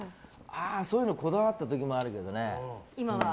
そういうのこだわった時もあるけどね。